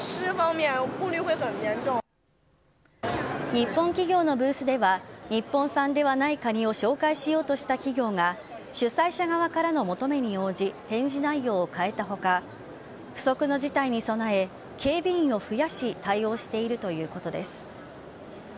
日本企業のブースでは日本産ではないカニを紹介した企業が主催者側からの求めに応じ展示内容を変えた他不測の事態に備え警備員を増やし対応しているということです。